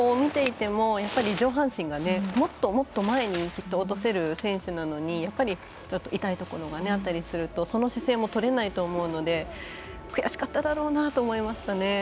見ていても、上半身がもっともっと前に落とせる選手なのに痛いところがあったりするとその姿勢も取れないと思うので悔しかっただろうなと思いましたね。